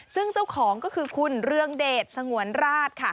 ซึ่งเจ้าของก็คือคุณเรืองเดชสงวนราชค่ะ